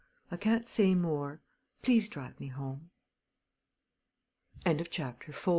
I can't say more. Please drive me home now." CHAPTER V MR.